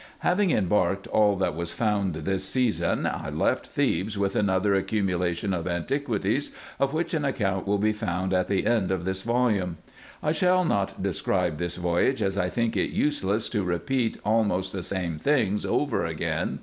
Having embarked all that was found this season, I left Thebes with another accumulation of antiquities, of which an account will be found at the end of this volume. I shall not describe this voyage, as I think it useless to repeat almost the same things over again.